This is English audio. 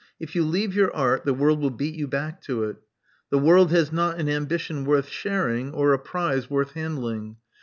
If you leave your art, the world will beat you back to it. The world has not an ambition worth sharing, or a prize worth handling.